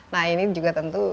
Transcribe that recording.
nah ini juga tentu